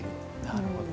なるほど。